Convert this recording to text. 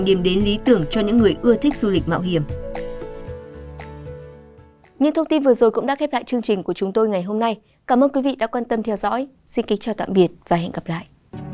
xin kính chào tạm biệt và hẹn gặp lại